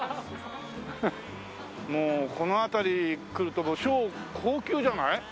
もうこの辺り来ると高級じゃない？